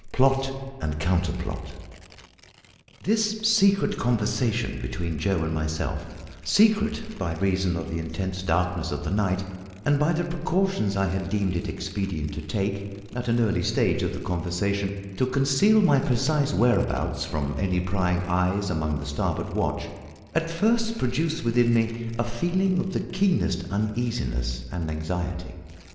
PLOT AND COUNTERPLOT. This secret conversation between Joe and myself secret by reason of the intense darkness of the night, and by the precautions I had deemed it expedient to take, at an early stage of the conversation, to conceal my precise whereabouts from any prying eyes among the starboard watch at first produced within me a feeling of the keenest uneasiness and anxiety.